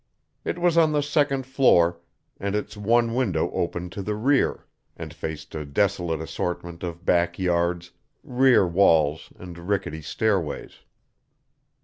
It was on the second floor, and its one window opened to the rear, and faced a desolate assortment of back yards, rear walls, and rickety stairways.